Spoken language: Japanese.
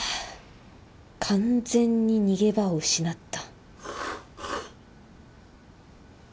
完全に逃げ場を失った